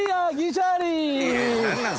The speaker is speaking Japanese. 何なん？